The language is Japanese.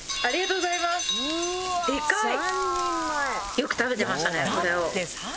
よく食べてましたねこれを。